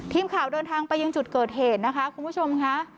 ทีมข่าวเดินทางไปยังจุดเกิดเหตุนะคะคุณผู้ชมค่ะ